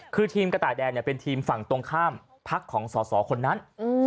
คือทีมกระต่ายแดนเป็นทีมฝั่งตรงข้ามพักของสอสอคนนั้น